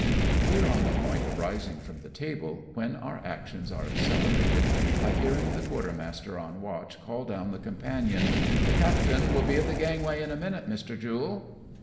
"We are on the point of rising from the table, when our actions are accelerated by hearing the quarter master on watch call down the companion, "The captain will be at the gangway in a minute, Mr. Jule."